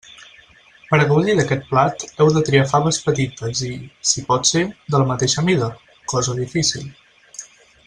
Per a gaudir d'aquest plat heu de triar faves petites i, si pot ser, de la mateixa mida, cosa difícil.